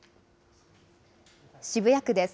渋谷区です。